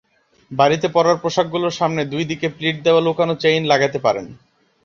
বাড়িতে পরার পোশাকগুলোর সামনে দুই দিকে প্লিট দেওয়া লুকানো চেইন লাগাতে পারেন।